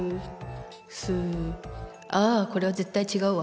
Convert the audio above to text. あこれは絶対違うわ。